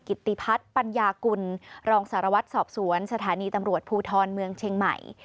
กิติพัฒน์ปัญญากุลรองสารวัตรสอบสวนสถานีตำรวจภูทรเมืองเชียงใหม่